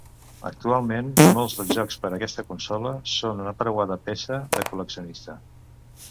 Actualment molts dels jocs per a aquesta consola són una preuada peça de col·leccionista.